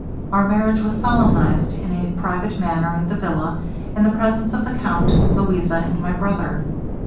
Our marriage was solemnized in a private manner at the villa, in the presence of the count, Louisa, and my brother.